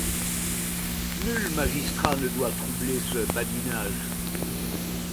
Nul magistrat ne doit troubler ce badinage.